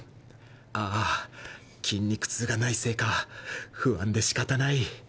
ああ筋肉痛がないせいか不安で仕方ない